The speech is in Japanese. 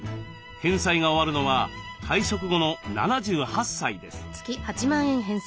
返済が終わるのは退職後の７８歳です。